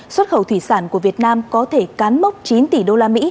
xuất khẩu thủy sản của việt nam có thể cán mốc chín tỷ đô la mỹ